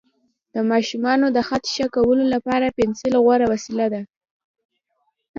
د ماشومانو د خط ښه کولو لپاره پنسل غوره وسیله ده.